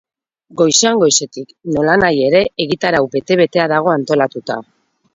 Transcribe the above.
Goizean goizetik, nolanahi ere, egitarau bete-betea dago antolatuta.